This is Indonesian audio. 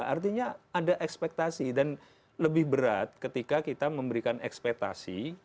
artinya ada ekspektasi dan lebih berat ketika kita memberikan ekspektasi